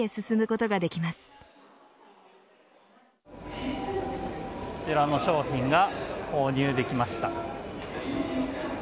こちらの商品が購入できました。